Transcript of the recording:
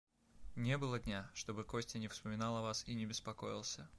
Не было дня, чтобы Костя не вспоминал о вас и не беспокоился.